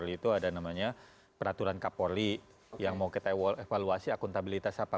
itu ada namanya peraturan kapolri yang mau kita evaluasi akuntabilitas apa